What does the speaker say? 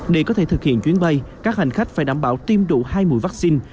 để có thể thực hiện chuyến bay các hành khách phải đảm bảo tiêm đủ hai mũi vaccine